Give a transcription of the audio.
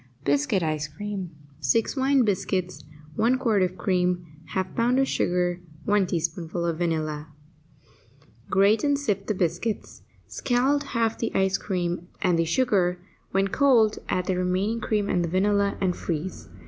BISCUIT ICE CREAM 6 wine biscuits 1 quart of cream 1/2 pound of sugar 1 teaspoonful of vanilla Grate and sift the biscuits. Scald half the cream and the sugar; when cold, add the remaining cream and the vanilla, and freeze.